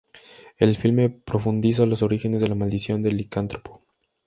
El filme profundiza los orígenes de la maldición del licántropo.